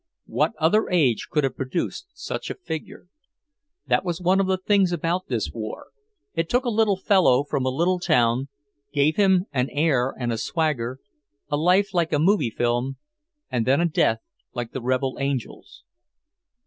What other age could have produced such a figure? That was one of the things about this war; it took a little fellow from a little town, gave him an air and a swagger, a life like a movie film, and then a death like the rebel angels.